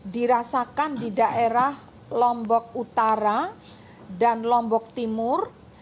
dirasakan di daerah lombok utara dan lombok timur